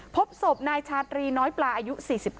พบศพนายชาตรีน้อยปลาอายุ๔๙